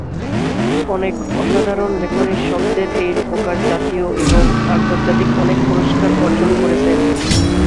অনেক অসাধারণ লেখনীর শব্দের এই রূপকার জাতীয় এবং আন্তর্জাতিক অনেক পুরস্কার অর্জন করেছেন।